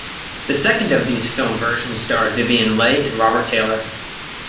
The second of these film versions starred Vivien Leigh and Robert Taylor.